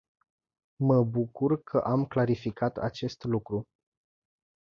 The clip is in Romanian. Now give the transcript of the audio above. Mă bucur că am clarificat acest lucru.